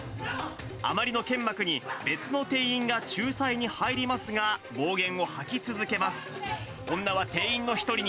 あまりのけんまくに、別の店員が仲裁に入りますが、暴言を吐き続けます。